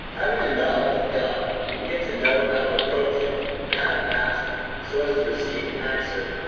Having a knowledge of God, we begin to know how to approach him, and how to ask so as to receive an answer.